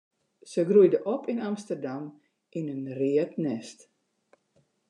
Se groeide op yn Amsterdam yn in read nêst.